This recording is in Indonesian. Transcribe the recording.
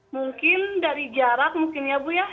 mungkin dari jarak mungkin ya bu ya